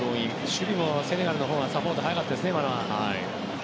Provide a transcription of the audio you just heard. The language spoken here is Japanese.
守備もセネガルのほうがサポート早かったですよね。